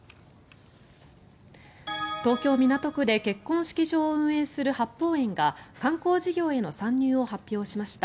東京・港区で結婚式場を運営する八芳園が観光事業への参入を発表しました。